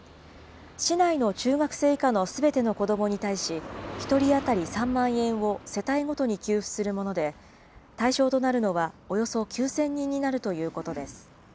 市内の中学生以下のすべて子どもに対し、１人当たり３万円を世帯ごとに給付するもので、対象となるのはおよそ９０００人になるということです。